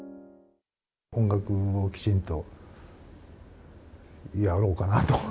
音楽をきちんとやろうかなと。